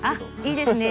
いいですね。